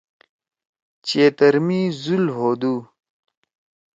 چیتر می زُل ہودُو۔